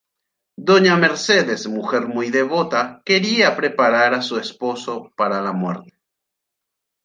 Doña Mercedes mujer muy devota, quería preparar a su esposo para la muerte.